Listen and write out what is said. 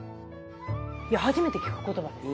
いや初めて聞く言葉です。